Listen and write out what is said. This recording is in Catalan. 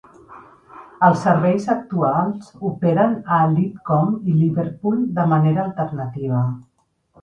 Els serveis actuals operen a Lidcombe i Liverpool de manera alternativa.